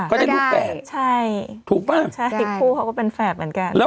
เข้าได้ลูกแฝดก็ได้